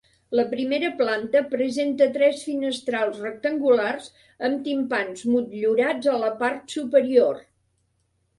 La primera planta presenta tres finestrals rectangulars amb timpans motllurats a la part superior.